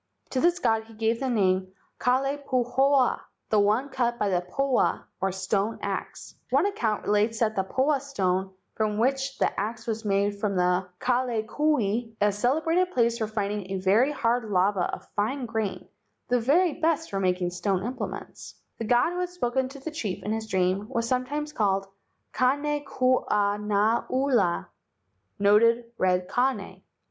To this god he gave the name Kalai pahoa (The one cut by the pahoa or stone axe). One account relates that the pahoa (stone) from which the axe was made came from Kalakoi, a celebrated place for finding a very hard lava of fine grain, the very best for making stone implements. LEGENDS OF GHOSTS 114 The god who had spoken to the chief in his dream was sometimes called Kane kulana ula (noted red Kane).